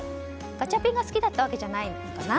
ガチャピンが好きだったわけじゃないのかな。